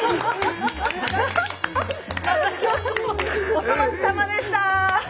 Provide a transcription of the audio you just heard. お粗末さまでした！